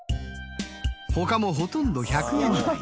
ほかもほとんど１００円台。